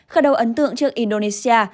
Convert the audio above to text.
khởi đầu ấn tượng trước indonesia